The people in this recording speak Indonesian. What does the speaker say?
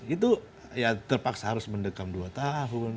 itu ya terpaksa harus mendekam dua tahun